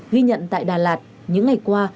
ghi nhận tại đà lạt những ngày qua